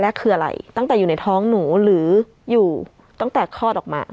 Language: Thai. คืออะไรตั้งแต่อยู่ในท้องหนูหรืออยู่ตั้งแต่คลอดออกมา